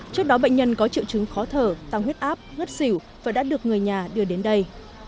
trước đó bệnh nhân có triệu chứng khó thở tăng huyết áp ngất xỉu và đã được người nhà đưa đến đây